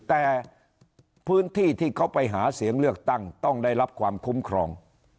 แต่พื้นที่ที่เขาไปหาเสียงเลือกตั้งต้องได้รับความคุ้มครอง